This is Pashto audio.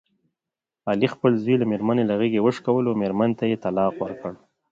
علي خپل زوی د مېرمني له غېږې نه وشکولو، مېرمنې ته یې طلاق ورکړ.